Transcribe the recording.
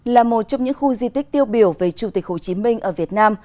là một trong những khu di tích tiêu biểu về chủ tịch hồ chí minh ở việt nam